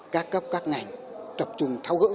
các cấp các ngành tập trung thao gỡ